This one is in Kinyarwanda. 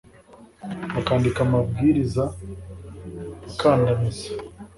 bakandika amabwiriza akandamiza,